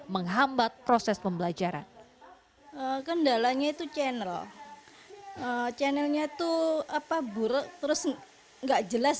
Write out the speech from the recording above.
menghambat proses pembelajaran kendalanya itu channel channelnya tuh apa buruk terus enggak jelas